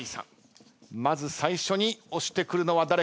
まず最初に押してくるのは誰か？